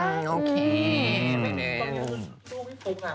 ต้องเรียนลูกพี่ฟุ้งอะ